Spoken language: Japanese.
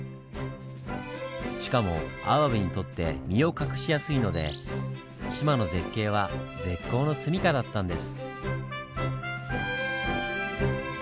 しかもアワビにとって身を隠しやすいので志摩の絶景は絶好の住みかだったんです。